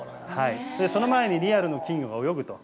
その前にリアルの金魚が泳ぐと。